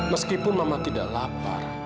meskipun mama tidak lapar